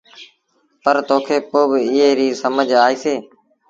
پر توکي پوء ايٚئي ريٚ سمجھ آئيٚسي۔